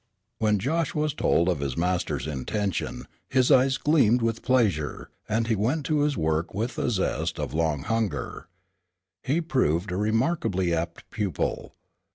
When Josh was told of his master's intention, his eyes gleamed with pleasure, and he went to his work with the zest of long hunger. He proved a remarkably apt pupil.